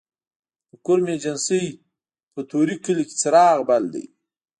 د کرم ایجنسۍ په طوري کلي کې څراغ بل دی